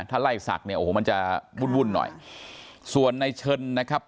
ถ้าไล่ศักดิ์เนี่ยโอ้โหมันจะวุ่นวุ่นหน่อยส่วนในเชิญนะครับ